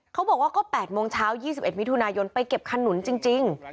เขาบอกว่าก็๘โมงเช้า๒๑มิถุนายนไปเก็บขนุนจริง